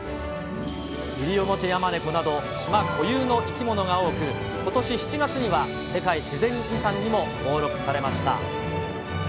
イリオモテヤマネコなど、島固有の生き物が多く、ことし７月には、世界自然遺産にも登録されました。